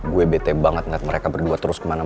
gue bete banget liat mereka berdua terus kemana mana